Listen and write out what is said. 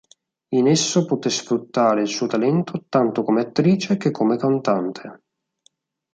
In esso poté sfruttare il suo talento tanto come attrice che come cantante.